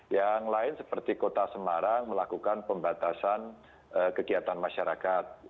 yang lain seperti kota semarang melakukan pembatasan kegiatan masyarakat